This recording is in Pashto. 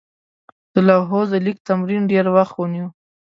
د لوحو د لیک تمرین ډېر وخت ونیوه.